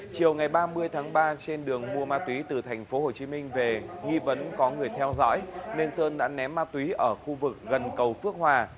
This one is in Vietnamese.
chiều ngày ba mươi tháng ba trên đường mua ma túy từ thành phố hồ chí minh về nghi vấn có người theo dõi nên sơn đã ném ma túy ở khu vực gần cầu phước hòa